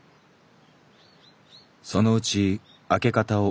そのうち開け方を覚えた。